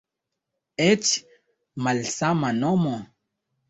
Eĉ malsama nomo.